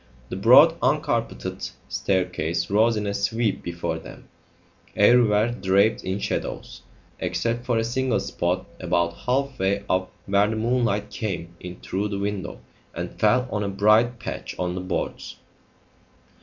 The broad uncarpeted staircase rose in a sweep before them, everywhere draped in shadows, except for a single spot about half way up where the moonlight came in through the window and fell on a bright patch on the boards.